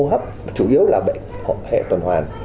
tuần hoàn và hô hấp chủ yếu là bệnh hệ tuần hoàn